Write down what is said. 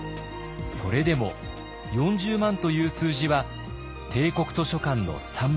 それでも４０万という数字は帝国図書館の３倍。